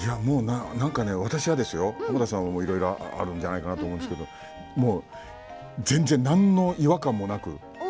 なんかね、私はですよ濱田さんはいろいろあるんじゃないかと思うんですけど私は全然何の違和感もなく。